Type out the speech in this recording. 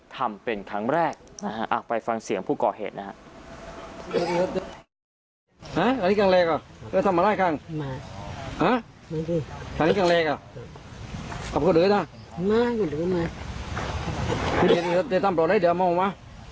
ทำเป็นครั้งแรกนะฮะไปฟังเสียงผู้ก่อเหตุนะฮะ